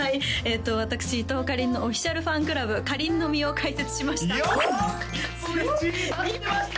私伊藤かりんのオフィシャルファンクラブ「かりんの実」を開設しましたよっ待ってました！